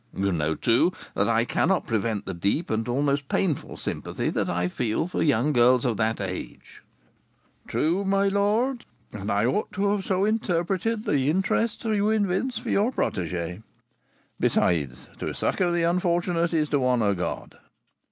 You know, too, that I cannot prevent the deep, and almost painful, sympathy I feel for young girls of that age." "True, my lord; and I ought so to have interpreted the interest you evince for your protégée. Besides, to succour the unfortunate is to honour God."